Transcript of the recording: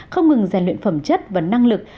không ngừng giàn luyện phẩm chất và năng lực